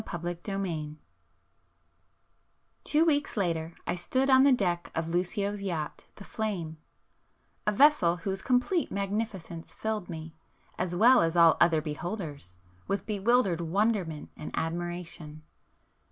[p 435]XXXVIII Two weeks later I stood on the deck of Lucio's yacht 'The Flame,'—a vessel whose complete magnificence filled me, as well as all other beholders, with bewildered wonderment and admiration.